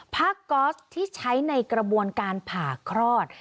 ก๊อสที่ใช้ในกระบวนการผ่าคลอด